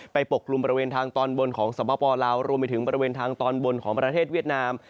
ปกกลุ่มบริเวณทางตอนบนของสปลาวรวมไปถึงบริเวณทางตอนบนของประเทศเวียดนาม